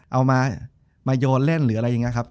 เอามาโยนเล่นหรืออะไรอย่างนี้ครับ